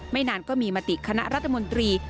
นานก็มีมติคณะรัฐมนตรี